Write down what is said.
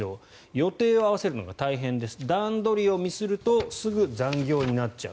予定を合わせるのが大変です段取りをミスるとすぐ残業になっちゃう。